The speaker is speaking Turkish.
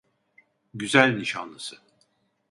Güzel nişanlısı…